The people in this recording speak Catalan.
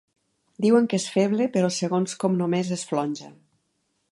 Diuen que és feble, però segons com només és flonja.